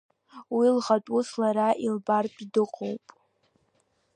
Уи лхатә ус лара илбартә дыҟоуп…